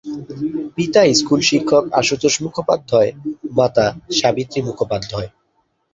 পিতা স্কুল শিক্ষক আশুতোষ মুখোপাধ্যায় ও মাতা সাবিত্রী মুখোপাধ্যায়।